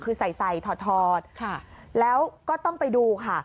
คือใส่ใส่ถอดแล้วก็ต้องไปดูค่ะ